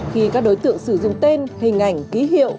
khi các đối tượng sử dụng tên hình ảnh ký hiệu